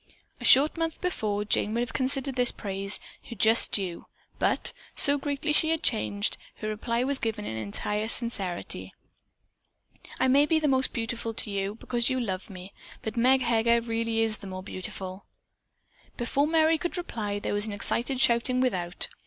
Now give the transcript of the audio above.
A short month before Jane would have considered this praise her just due, but, so greatly had she changed, her reply was given in entire sincerity: "I may be the most beautiful to you, because you love me, but Meg Heger is really the more beautiful." Before Merry could reply, there was an excited shouting without.